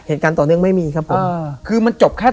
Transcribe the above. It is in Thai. เหตุการณ์ต่อเนื่องไม่มีครับผม